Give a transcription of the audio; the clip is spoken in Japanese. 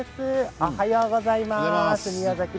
おはようございます。